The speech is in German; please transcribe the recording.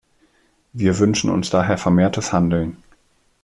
Wir wünschen uns daher vermehrtes Handeln.